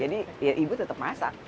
jadi ya ibu tetap masak